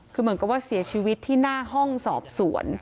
คือเหมือนกับว่าเสียชีวิตที่หน้าห้องสอบสวน